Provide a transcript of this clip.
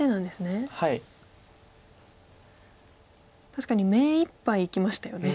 確かに目いっぱいいきましたよね。